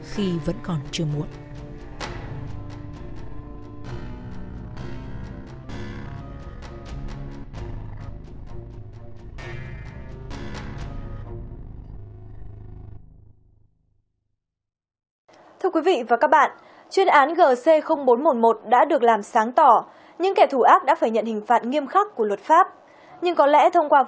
khi vẫn còn chưa muộn